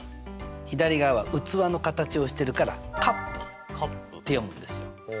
左側は器の形をしてるから「カップ」って読むんですよ。